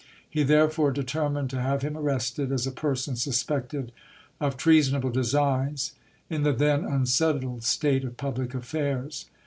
He therefore determined to have him arrested, as a person suspected of treasonable designs, in the then unsettled state of public affairs.